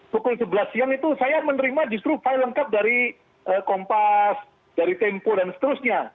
pukul sebelas siang itu saya menerima justru file lengkap dari kompas dari tempo dan seterusnya